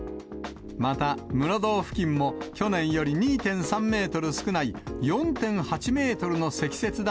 また、室堂付近も去年より２．３メートル少ない４．８メートルの積雪だ